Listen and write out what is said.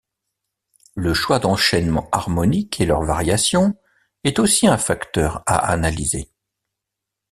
Le choix d'enchainements harmoniques et leur variation est aussi un facteur à analyser.